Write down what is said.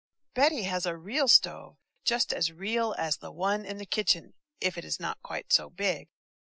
BETTY has a real stove, just as real as the one in the kitchen, if it is not quite so big.